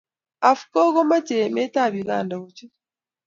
Afco ko mache emet ab Uganda kochut